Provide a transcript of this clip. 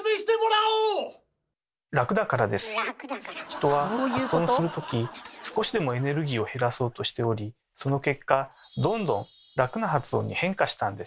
⁉人は発音するとき少しでもエネルギーを減らそうとしておりその結果どんどん楽な発音に変化したんです。